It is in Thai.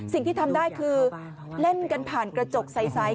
สิ่งที่ทำได้คือเล่นกันผ่านกระจกใส